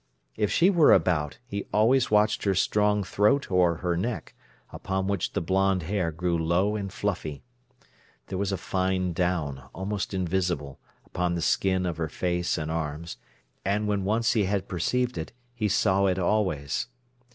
If she were about, he always watched her strong throat or her neck, upon which the blonde hair grew low and fluffy. There was a fine down, almost invisible, upon the skin of her face and arms, and when once he had perceived it, he saw it always.